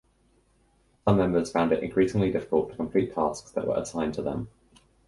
Some members found it increasingly difficult to complete tasks that were assigned to them.